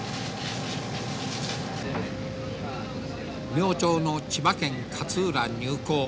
明朝の千葉県勝浦入港